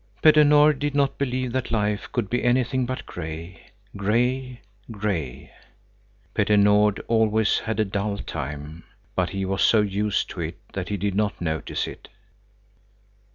Petter Nord did not believe that life could be anything but gray, gray, gray. Petter Nord always had a dull time, but he was so used to it that he did not notice it.